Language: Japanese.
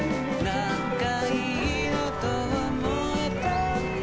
なんかいいなと思えたんだ